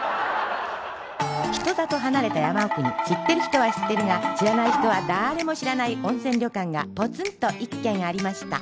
人里離れた山奥に知ってる人は知ってるが知らない人はだーれも知らない温泉旅館がポツンと一軒ありました